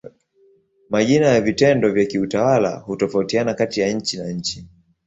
Majina ya vitengo vya kiutawala hutofautiana kati ya nchi na nchi.